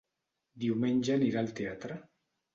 Diumenge anirà al teatre.